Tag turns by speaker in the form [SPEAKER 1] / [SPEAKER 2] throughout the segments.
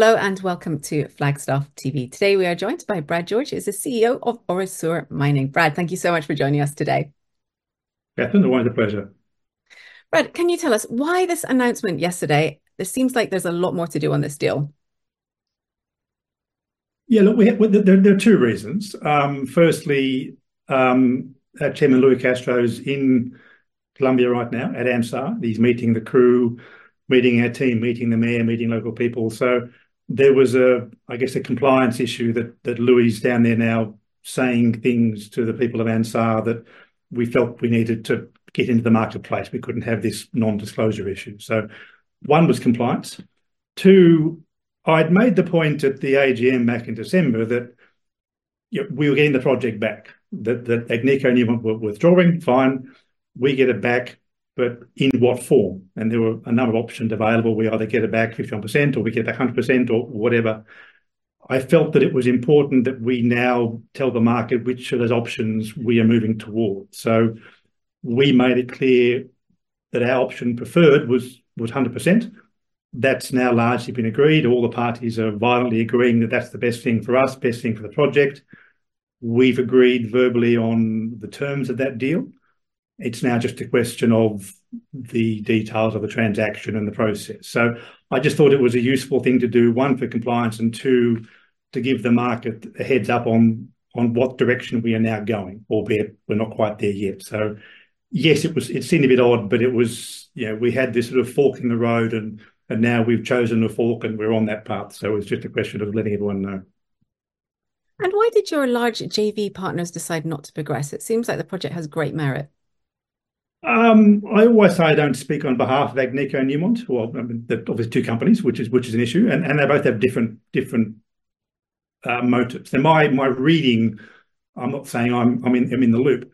[SPEAKER 1] Hello, and welcome to Flagstaff TV. Today, we are joined by Brad George who's the CEO of Orosur Mining. Brad, thank you so much for joining us today.
[SPEAKER 2] Catherine, always a pleasure.
[SPEAKER 1] Brad, can you tell us why this announcement yesterday? It seems like there's a lot more to do on this deal.
[SPEAKER 2] Yeah, look, well, there are two reasons. Firstly, our Chairman Louis Castro is in Colombia right now at Anzá. He's meeting the crew, meeting our team, meeting the mayor, meeting local people. There was a, I guess, a compliance issue that Louis down there now saying things to the people of Anzá that we felt we needed to get into the marketplace. We couldn't have this non-disclosure issue. One was compliance. Two, I'd made the point at the AGM back in December that, you know, we were getting the project back. That Agnico and Newmont were withdrawing, fine, we get it back. In what form? There were a number of options available. We either get it back 50% or we get 100% or whatever. I felt that it was important that we now tell the market which of those options we are moving towards. We made it clear that our option preferred was 100%. That's now largely been agreed. All the parties are violently agreeing that that's the best thing for us, best thing for the project. We've agreed verbally on the terms of that deal. It's now just a question of the details of the transaction and the process. I just thought it was a useful thing to do, one, for compliance and two, to give the market a heads up on what direction we are now going, albeit we're not quite there yet. Yes, it was. It seemed a bit odd, but it was, you know, we had this sort of fork in the road, and now we've chosen a fork and we're on that path. It's just a question of letting everyone know.
[SPEAKER 1] Why did your large JV partners decide not to progress? It seems like the project has great merit.
[SPEAKER 2] I always say I don't speak on behalf of Agnico and Newmont. Well, I mean, they're obviously two companies, which is an issue. They both have different motives. My reading, I'm not saying I'm in the loop.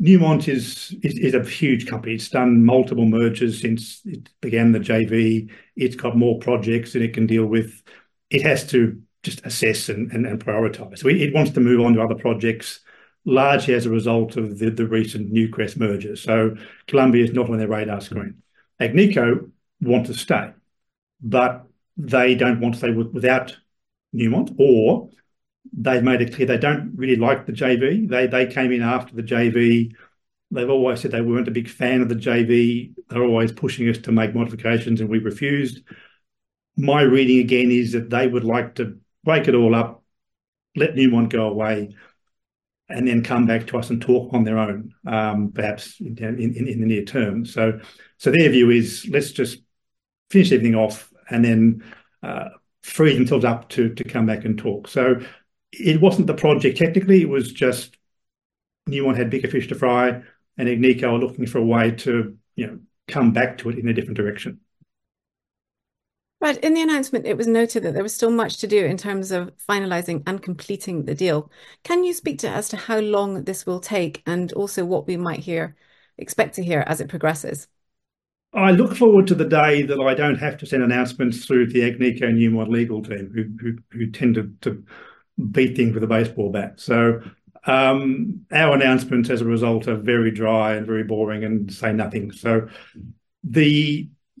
[SPEAKER 2] Newmont is a huge company. It's done multiple mergers since it began the JV. It's got more projects than it can deal with. It has to just assess and prioritize. It wants to move on to other projects, largely as a result of the recent Newcrest merger. Colombia is not on their radar screen. Agnico want to stay. They don't want to stay without Newmont, or they've made it clear they don't really like the JV. They came in after the JV. They've always said they weren't a big fan of the JV. They're always pushing us to make modifications, and we refused. My reading again is that they would like to break it all up, let Newmont go away, and then come back to us and talk on their own, perhaps in the near term. Their view is let's just finish everything off and then free themselves up to come back and talk. It wasn't the project technically, it was just Newmont had bigger fish to fry and Agnico are looking for a way to, you know, come back to it in a different direction.
[SPEAKER 1] In the announcement, it was noted that there was still much to do in terms of finalizing and completing the deal. Can you speak to how long this will take and also what we might expect to hear as it progresses?
[SPEAKER 2] I look forward to the day that I don't have to send announcements through the Agnico and Newmont legal team who tend to beat things with a baseball bat. Our announcements as a result are very dry and very boring and say nothing.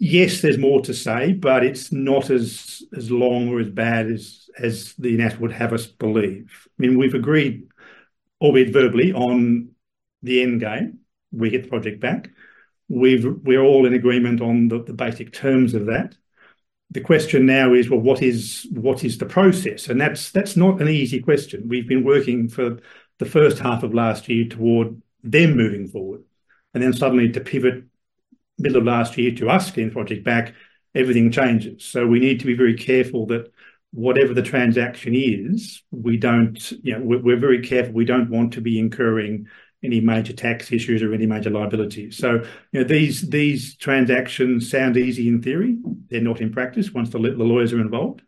[SPEAKER 2] Yes, there's more to say, but it's not as long or as bad as the announcement would have us believe. I mean, we've agreed, albeit verbally, on the end game. We get the project back. We're all in agreement on the basic terms of that. The question now is, well, what is the process? That's not an easy question. We've been working for the first half of last year toward them moving forward. Then suddenly to pivot middle of last year to us getting the project back, everything changes. We need to be very careful that whatever the transaction is, we don't. You know, we're very careful. We don't want to be incurring any major tax issues or any major liabilities. You know, these transactions sound easy in theory. They're not in practice once the lawyers are involved.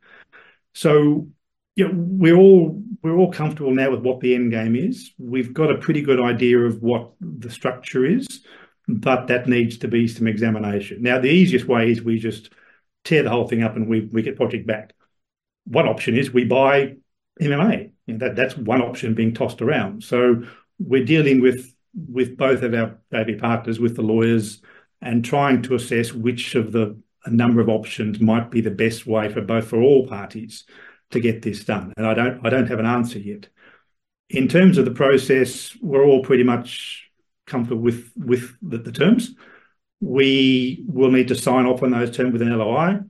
[SPEAKER 2] You know, we're all comfortable now with what the end game is. We've got a pretty good idea of what the structure is, but that needs to be some examination. Now, the easiest way is we just tear the whole thing up and we get project back. One option is we buy MMA. You know, that's one option being tossed around. We're dealing with both of our JV partners, with the lawyers, and trying to assess which of a number of options might be the best way for both, for all parties to get this done. I don't have an answer yet. In terms of the process, we're all pretty much comfortable with the terms. We will need to sign off on those terms with an LOI,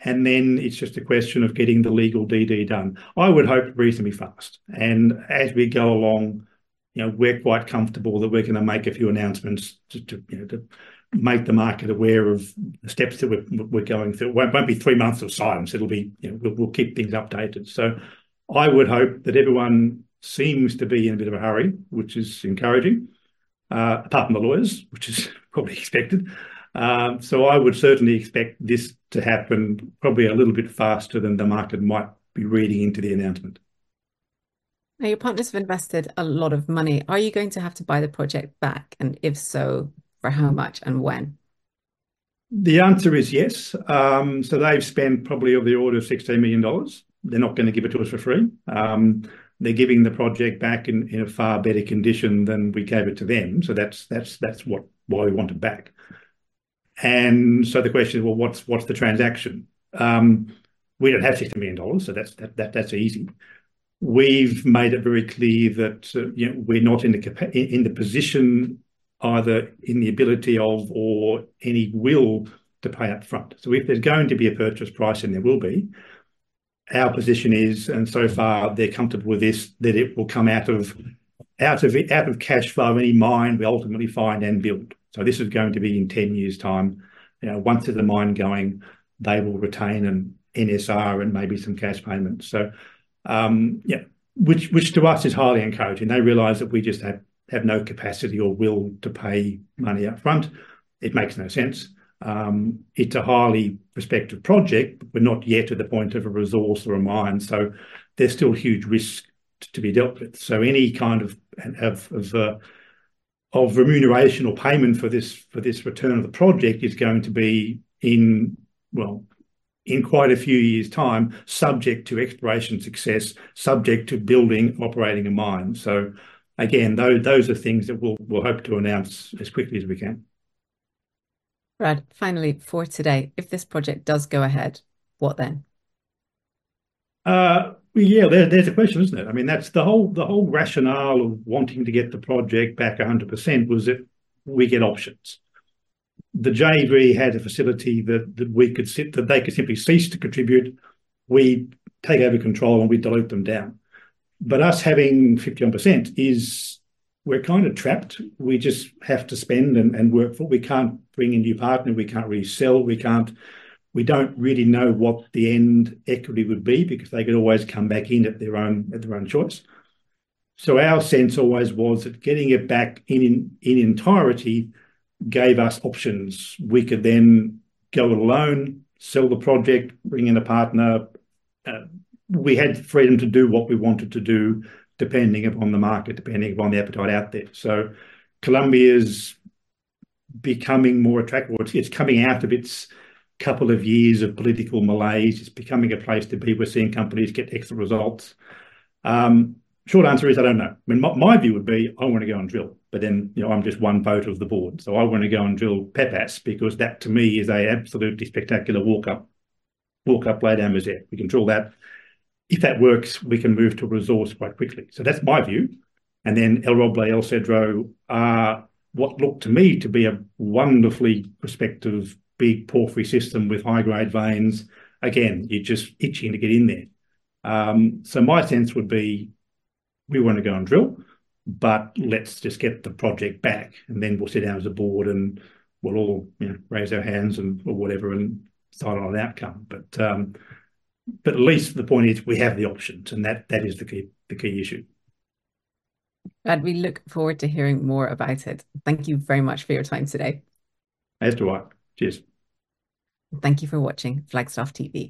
[SPEAKER 2] and then it's just a question of getting the legal DD done. I would hope reasonably fast. As we go along, you know, we're quite comfortable that we're gonna make a few announcements to make the market aware of steps that we're going through. It won't be three months of silence. It'll be, you know, we'll keep things updated. I would hope that everyone seems to be in a bit of a hurry, which is encouraging. Apart from the lawyers, which is probably expected. I would certainly expect this to happen probably a little bit faster than the market might be reading into the announcement.
[SPEAKER 1] Now, your partners have invested a lot of money. Are you going to have to buy the project back? If so, for how much and when?
[SPEAKER 2] The answer is yes. They've spent probably of the order of $16 million. They're not gonna give it to us for free. They're giving the project back in a far better condition than we gave it to them. That's what we want it back. The question is, well, what's the transaction? We don't have $60 million, so that's easy. We've made it very clear that, you know, we're not in the position, either in the ability or any will to pay up front. If there's going to be a purchase price, and there will be, our position is, and so far they're comfortable with this, that it will come out of cashflow, any mine we ultimately find and build. This is going to be in 10 years' time. You know, once there's a mine going, they will retain an NSR and maybe some cash payments, which to us is highly encouraging. They realize that we just have no capacity or will to pay money up front. It makes no sense. It's a highly prospective project, but we're not yet at the point of a resource or a mine. There's still huge risk to be dealt with. Any kind of remuneration or payment for this return of the project is going to be in, well, in quite a few years' time, subject to exploration success, subject to building, operating a mine. Again, those are things that we'll hope to announce as quickly as we can.
[SPEAKER 1] Right. Finally, for today, if this project does go ahead, what then?
[SPEAKER 2] Yeah, there's a question, isn't it? I mean, that's the whole rationale of wanting to get the project back 100% was that we get options. The JV had a facility that they could simply cease to contribute, we take over control, and we dilute them down. Us having 51% is we're kind of trapped. We just have to spend and work. We can't bring a new partner, we can't resell, we can't. We don't really know what the end equity would be because they could always come back in at their own choice. Our sense always was that getting it back in entirety gave us options. We could then go it alone, sell the project, bring in a partner. We had freedom to do what we wanted to do depending upon the market, depending upon the appetite out there. Colombia is becoming more attractive, or it's coming out of its couple of years of political malaise. It's becoming a place to be. We're seeing companies get excellent results. Short answer is, I don't know. I mean, my view would be I want to go and drill. You know, I'm just one voter of the board. I want to go and drill Pepas because that to me is a absolutely spectacular walk-up drill target there. We can drill that. If that works, we can move to resource quite quickly. That's my view. El Roble, El Cedro are what look to me to be a wonderfully prospective, big porphyry system with high-grade veins. Again, you're just itching to get in there. So my sense would be we want to go and drill, but let's just get the project back and then we'll sit down as a board and we'll all, you know, raise our hands and, or whatever and decide on an outcome. But at least the point is we have the options and that is the key issue.
[SPEAKER 1] Brad, we look forward to hearing more about it. Thank you very much for your time today.
[SPEAKER 2] As do I. Cheers.
[SPEAKER 1] Thank you for watching Flagstaff TV.